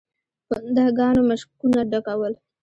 پونده ګانو مشکونه ډکول.